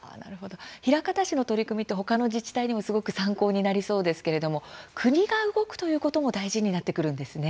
枚方市の取り組みって他の自治体にも参考になりそうですけれども国が動くということも大事になってくるんですね。